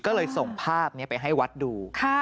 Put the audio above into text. ก็เลยส่งภาพนี้ไปให้วัดดู